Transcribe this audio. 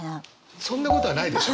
そんなことはないでしょ？